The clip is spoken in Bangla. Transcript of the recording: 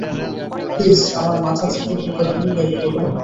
প্লিজ আমার মাথা থেকে পোকাগুলো বের করো।